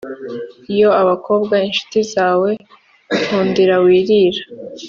iya abakobwa inshuti zawe, nkundira wirira